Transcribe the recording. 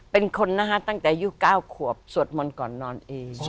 เป็นคนนะฮะตั้งแต่อายุ๙ขวบสวดมนต์ก่อนนอนเอง